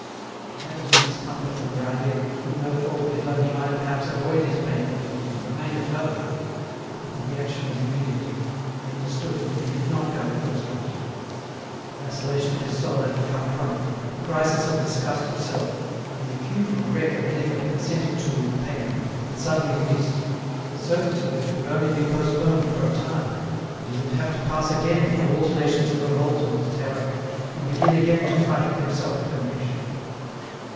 He had a minute's comfort from the idea that through no *ault of his own he might perhaps avoid his painful duty, and remain at home ; but the reaction was immediate ; he understood that if he did not go, he was lost ; the vacillation of his soul had become chronic, the crisis of disgust of self, the acute regret of an effort consented, to with pain, and suddenly missed, the certainty that it would only be post poned for a time, that he would have to pass again through alternations of revolt and terror, and begin again to fight with himself for conviction.